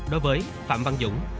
đối với phạm văn dũng